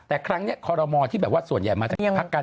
แต่ครั้งนี้คอรมอที่แบบว่าส่วนใหญ่มาจากพักกัน